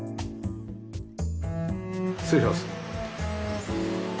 失礼します。